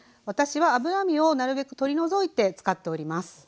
私は脂身をなるべく取り除いて使っております。